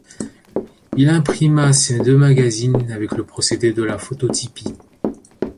Il imprima ces deux magazines avec le procédé de la phototypie.